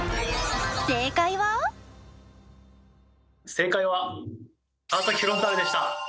正解は川崎フロンターレでした。